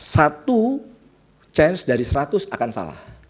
satu chance dari seratus akan salah